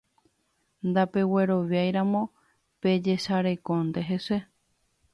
Ndapegueroviáiramo pejesarekónte hese